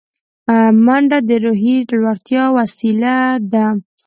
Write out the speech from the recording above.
منډه د روحیې لوړتیا وسیله ده